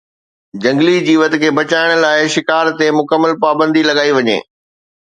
جهنگلي جيوت کي بچائڻ لاءِ شڪار تي مڪمل پابندي لڳائي وڃي